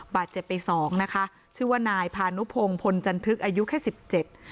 บาดเจ็บไปสองนะคะชื่อว่านายพานุพงศ์พลจันทึกอายุแค่สิบเจ็ด